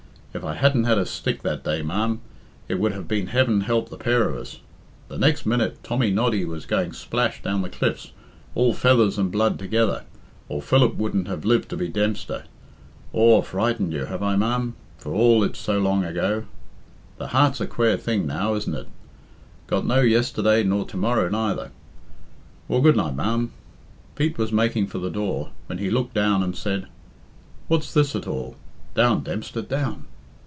If I hadn't had a stick that day, ma'am, it would have been heaven help the pair of us. The next minute Tommy Noddy was going splash down the cliffs, all feathers and blood together, or Philip wouldn't have lived to be Dempster.... Aw, frightened you, have I, ma'am, for all it's so long ago? The heart's a quare thing, now, isn't it? Got no yesterday nor to morrow neither. Well, good night, ma'am." Pete was making for the door, when he looked down and said, "What's this, at all? Down, Dempster, down!"